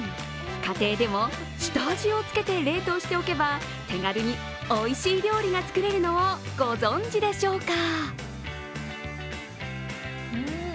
家庭でも下味をつけて冷凍しておけば手軽においしい料理が作れるのをご存じでしょうか。